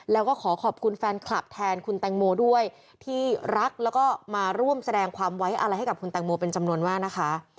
แล้วก็ขอขอบคุณแฟนคลับแทนคุณแตงโมด้วยที่รักแล้วก็มาร่วมแสดงความไว้อะไรให้กับคุณแตงโมเป็นจำนวนมากนะคะ